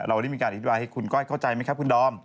เราได้มีการอธิบายให้คุณก้อยเข้าใจไหมครับคุณดอม